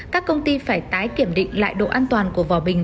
các công ty phải tái kiểm định lại độ an toàn của vỏ bình